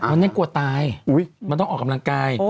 นั่นกลัวตายมันต้องออกกำลังกาย